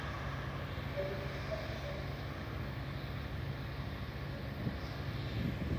yalipungua kidogo kwa sababu Joseph Stalin alitaka kuwaunganisha wananchi